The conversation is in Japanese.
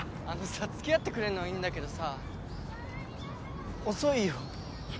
あのさ付き合ってくれんのはいいんだけどさ遅いよ。